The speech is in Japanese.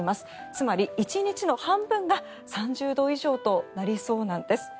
つまり１日の半分が３０度以上となりそうなんです。